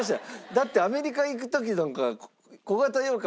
だってアメリカ行く時なんか小形羊羹